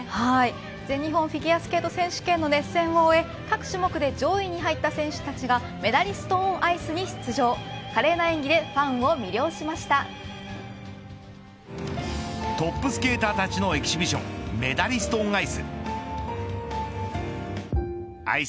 全日本フィギュアスケート選手権の熱戦を終え各種目で上位に入った選手たちがメダリスト・オン・アイスに出場華麗な演技でファンを魅トップスケーターたちのエキシビションメダリスト・オン・アイス。